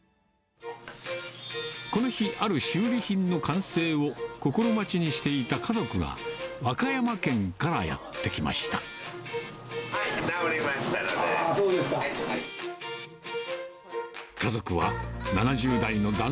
この日、ある修理品の完成を心待ちにしていた家族が、和歌山県か直りましたので。